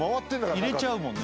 「入れちゃうもんね」